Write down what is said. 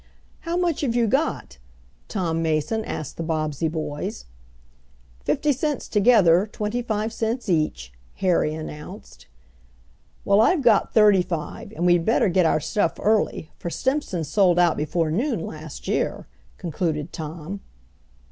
"How much have you got?" Tom Mason asked the Bobbsey boys. "Fifty cents together, twenty five cents each," Harry announced. "Well, I've got thirty five, and we had better get our stuff early, for Stimpson sold out before noon last year," concluded Tom.